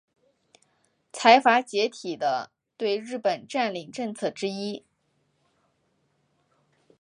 财阀解体的对日本占领政策之一。